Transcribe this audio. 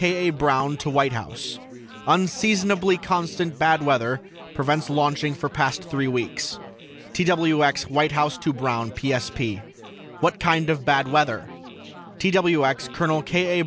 K. A. BROWN TO WHITE HOUSE: UNSEASONABLY CONSTANT BAD WEATHER PREVENTS LAUNCHING FOR PAST THREE WEEKS TWX WHITE HOUSE TO BROWN PSP: WHAT KIND OF BAD WEATHER TWX COL. K. A.